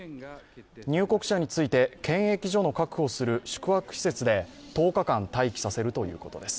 入国者について、検疫所の確保する宿泊施設で１０日間待機させるということです。